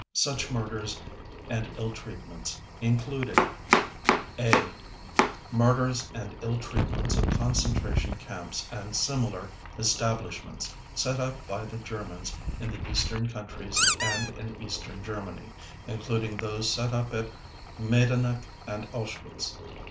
Such murders and ill treatments included: (a) Murders and ill treatments at concentration camps and similar establishments set up by the Germans in the Eastern Countries and in Eastern Germany including those set up at Maidanek and Auschwitz.